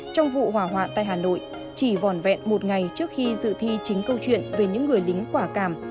trong vụ hỏa hoạn tại hà nội chỉ vòn vẹn một ngày trước khi dự thi chính câu chuyện về những người lính quả cảm